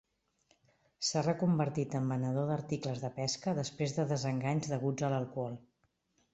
S'ha reconvertit en venedor d'articles de pesca després de desenganys deguts a l'alcohol.